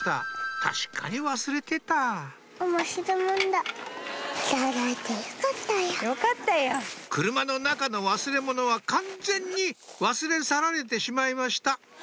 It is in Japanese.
確かに忘れてた車の中の忘れ物は完全に忘れ去られてしまいました